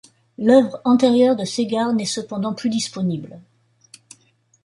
L'œuvre antérieure de Segar n'est cependant plus disponible.